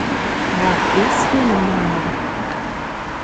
Ала вес йӧным муына?